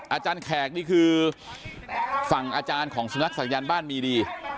อาจารย์แขกนี่คือฝั่งอาจารย์ของสุนัขศักยันต์บ้านมีดี